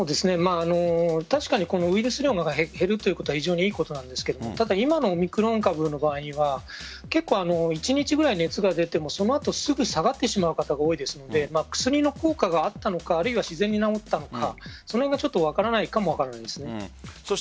確かにウイルス量が減るということは非常に良いことなんですがただ、今のオミクロン株の場合は結構一日ぐらい熱が出てもその後すぐ下がってしまう方が多いですので薬の効果があったのかあるいは自然に治ったのかそれが分からない方も多いです。